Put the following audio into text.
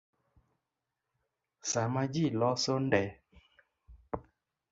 Sama ji loso nde